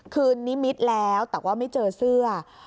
นิมิตรแล้วแต่ว่าไม่เจอเสื้อ